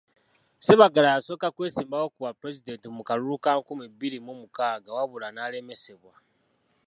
Ssebaggala yasooka kwesimbawo ku bwa Pulezidenti mu kalulu ka nkumi bbiri mu mukaaga wabula n'alemesebwa.